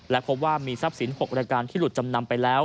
และพบว่ามีทรัพย์สิน๖รายการที่หลุดจำนำไปแล้ว